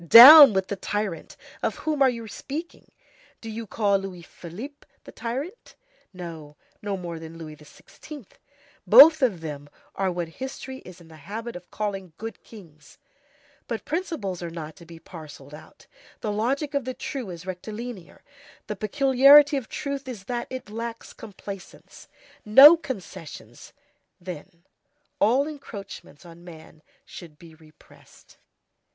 Down with the tyrant! Of whom are you speaking? Do you call Louis Philippe the tyrant? No; no more than Louis XVI. Both of them are what history is in the habit of calling good kings; but principles are not to be parcelled out, the logic of the true is rectilinear, the peculiarity of truth is that it lacks complaisance; no concessions, then; all encroachments on man should be repressed.